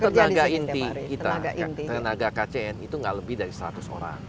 tenaga inti kita tenaga kcn itu nggak lebih dari seratus orang